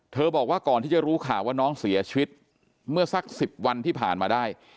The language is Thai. บอกว่าก่อนที่จะรู้ข่าวว่าน้องเสียชีวิตเมื่อสัก๑๐วันที่ผ่านมาได้